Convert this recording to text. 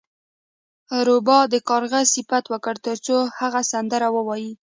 روباه د کارغه صفت وکړ ترڅو هغه سندره ووایي.